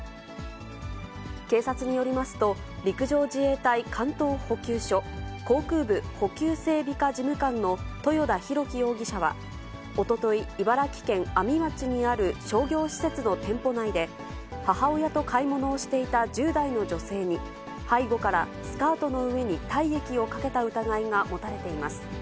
警察によりますと、陸上自衛隊関東補給処航空部補給整備課事務官の豊田洋樹容疑者は、おととい、茨城県阿見町にある商業施設の店舗内で、母親と買い物をしていた１０代の女性に、背後からスカートの上に体液をかけた疑いが持たれています。